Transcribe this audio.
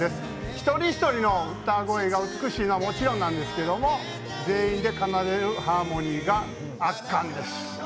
１人１人の歌声が美しいのはもちろんですけど全員で奏でるハーモニーが圧巻です。